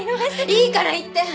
いいから行って！